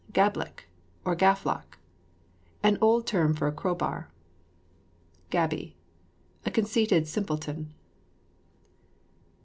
GABLICK, OR GAFFLOCK. An old term for a crow bar. GABY. A conceited simpleton.